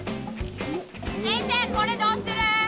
先生、これどうする？